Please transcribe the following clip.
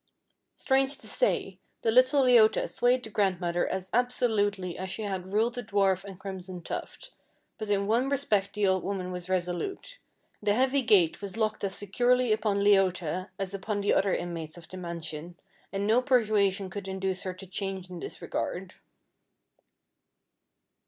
Strange to say, the little Leota swayed the grandmother as absolutely as she had ruled the dwarf and Crimson Tuft, but in one respect the old woman was resolute, the heavy gate was locked as securely upon Leota as upon the other inmates of the mansion, and no persuasion could induce her to change in this regard.